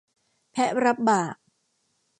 แพะรับบาป